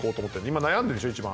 今悩んでるんでしょ１番。